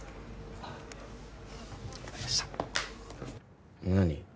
分かりました何？